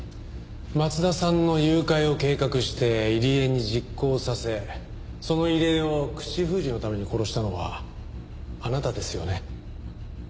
松田さんの誘拐を計画して入江に実行させその入江を口封じのために殺したのはあなたですよね？